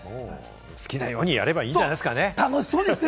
好きにやればいいんじゃないですかね。